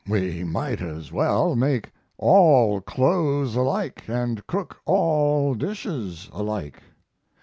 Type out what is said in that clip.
We might as well make all clothes alike and cook all dishes alike.